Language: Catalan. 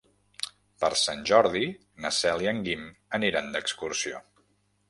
Per Sant Jordi na Cel i en Guim aniran d'excursió.